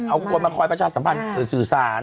เอาคนมาคอยประชาสัมพันธ์สื่อสาร